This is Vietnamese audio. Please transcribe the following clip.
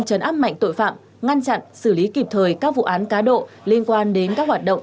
chấn áp mạnh tội phạm ngăn chặn xử lý kịp thời các vụ án cá độ liên quan đến các hoạt động